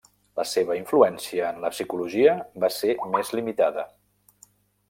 La seva influència en la psicologia va ser més limitada.